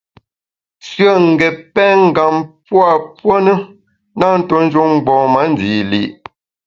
Shùe n’ gét pèn ngam pua puo ne, na ntuo njun mgbom-a ndi li’.